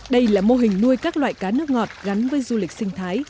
đây là mô hình nuôi các loại cá nước ngọt gắn với du lịch sinh thái